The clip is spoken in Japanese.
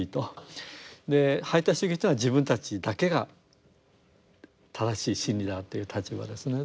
排他主義というのは自分たちだけが正しい真理だという立場ですね。